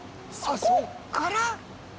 そっから？